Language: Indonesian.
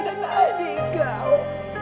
dan adik kau